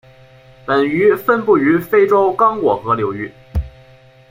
本鱼分布于非洲刚果河流域。